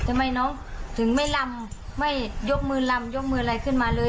ทำไมน้องถึงไม่ลำไม่ยกมือลำยกมืออะไรขึ้นมาเลย